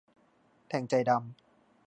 แทงใจดำ